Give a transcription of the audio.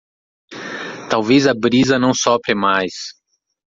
Talvez a brisa não sopre mais